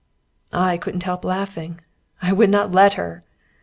I couldn't help laughing. "I would not let her."